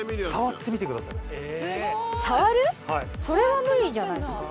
それは無理じゃないですか。